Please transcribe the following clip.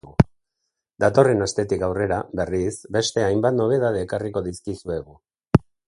Datorren astetik aurrera, berriz, beste hainbat nobedade ekarriko dizkizuegu.